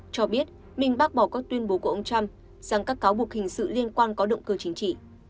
cho biết mình bác bỏ các tuyên bố của ông trump rằng các cáo buộc hình sự liên quan có động cơ chính trị